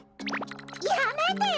やめてよ！